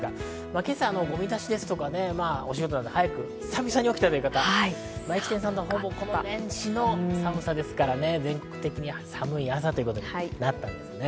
今朝ゴミだしとか、お仕事などで早く久々に起きたという方、この年始の寒さですからね、全国的に寒い朝ということになったんですね。